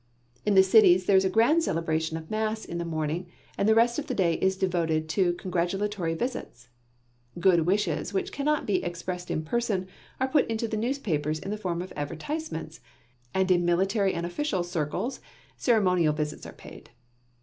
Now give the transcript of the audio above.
In the cities there is a grand celebration of mass in the morning and the rest of the day is devoted to congratulatory visits. Good wishes which cannot be expressed in person are put into the newspapers in the form of advertisements, and in military and official circles ceremonial visits are paid.